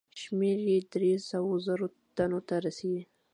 شمېر یې دریو سوو زرو تنو ته رسېدی.